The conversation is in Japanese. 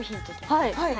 はい。